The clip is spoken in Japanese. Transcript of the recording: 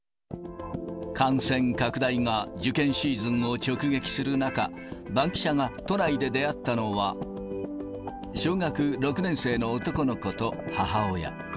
感染拡大が受験シーズンを直撃する中、バンキシャが都内で出会ったのは、小学６年生の男の子と母親。